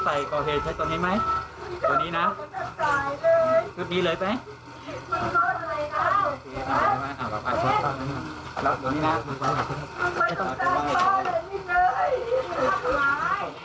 ใส่โกเหฮดไว้ตัวนี้ไหมตัวนี้นะตัวนี้เลยไปรอเลยนะ